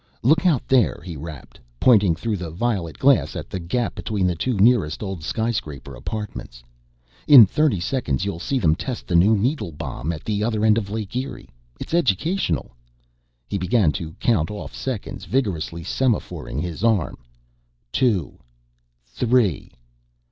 "Look out there," he rapped, pointing through the violet glass at a gap between the two nearest old skyscraper apartments. "In thirty seconds you'll see them test the new needle bomb at the other end of Lake Erie. It's educational." He began to count off seconds, vigorously semaphoring his arm. "... Two ... three